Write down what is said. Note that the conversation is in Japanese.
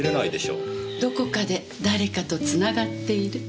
どこかで誰かとつながっている。